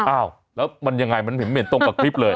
อ้าวแล้วมันยังไงมันเหม็นตรงกับคลิปเลย